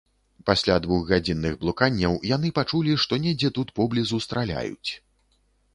Пасля двухгадзінных блуканняў яны пачулі, што недзе тут поблізу страляюць.